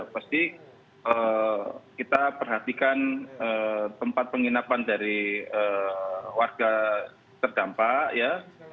pasti kita perhatikan tempat penginapan dari warga terdampak ya